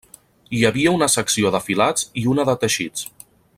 Hi havia una secció de filats i una de teixits.